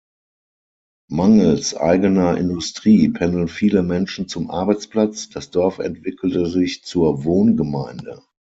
Mangels eigener Industrie pendeln viele Menschen zum Arbeitsplatz, das Dorf entwickelte sich zur Wohngemeinde.